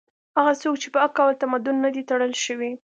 هغه څوک چې په عقل او تمدن نه دي تړل شوي